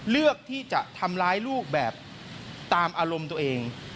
เลือกที่จะทำร้ายลูกแบบตามอารมณ์ตัวเอง